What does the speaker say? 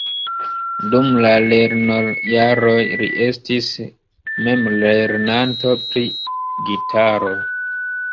Dum la lernojaroj li estis memlernanto pri gitaro.